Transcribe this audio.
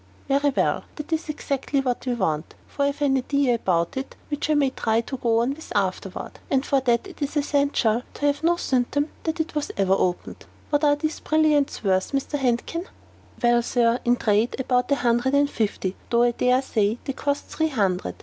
"Very well; that is exactly what we want; for I have an idea about it which I may try to go on with afterward. And for that it is essential to have no symptom that it ever has been opened. What are these brilliants worth, Mr. Handkin?" "Well, Sir, in the trade, about a hundred and fifty, though I dare say they cost three hundred.